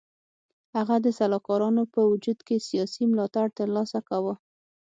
هغه د سلاکارانو په وجود کې سیاسي ملاتړ تر لاسه کاوه.